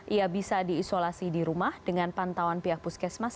ia bisa diisolasi di rumah dengan pantauan pihak puskesmas